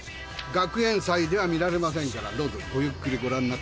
学園祭では見られませんからどうぞごゆっくりご覧になってください。